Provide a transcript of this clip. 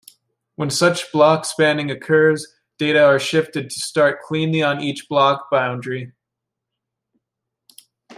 When such block-spanning occurs, data are shifted to start cleanly on each block boundary.